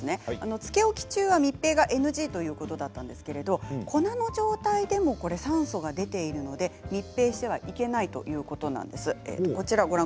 つけ置き中は密閉がＮＧということだったんですが粉の状態でも酸素が出ているので密閉してはいけないということなんです。